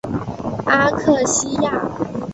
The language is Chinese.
阿克西亚。